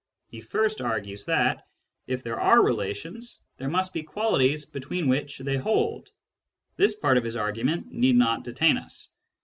He first argues that, if there are relations, there must be qualities between which they hold. This part of his argument need not detain us.